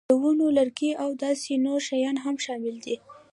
د ونو لرګي او داسې نور شیان هم شامل دي.